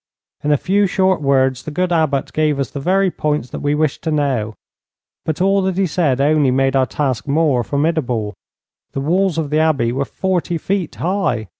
In a few short words the good Abbot gave us the very points that we wished to know. But all that he said only made our task more formidable. The walls of the Abbey were forty feet high.